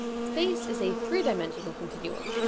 Space is a three dimensional continuum.